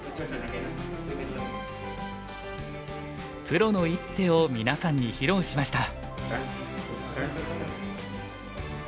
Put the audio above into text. プロの一手をみなさんに披露しました。